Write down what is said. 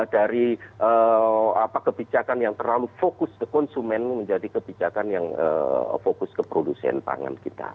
dari kebijakan yang terlalu fokus ke konsumen menjadi kebijakan yang fokus ke produsen pangan kita